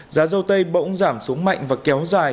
giá dâu tây bỗng giảm xuống mạnh và kéo dài